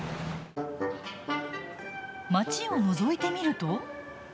街をのぞいてみると。